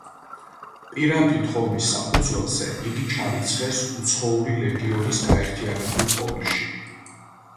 პირადი თხოვნის საფუძველზე იგი ჩარიცხეს უცხოური ლეგიონის გაერთიანებულ პოლკში.